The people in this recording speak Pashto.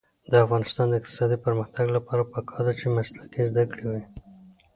د افغانستان د اقتصادي پرمختګ لپاره پکار ده چې مسلکي زده کړې وي.